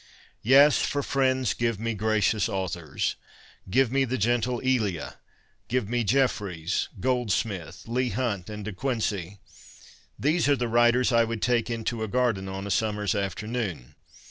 Yes, for friends give me gracious authors. Give me the gentle Elia. Give me Jefferies, Goldsmith, Leigh Hunt, and De Quincey. These are the writers I would take into a garden on a summer's afternoon.